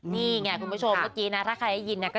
นี่ไงคุณผู้ชมถ้าใครหยินนะ